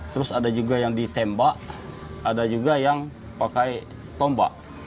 terus ada juga yang ditembak ada juga yang pakai tombak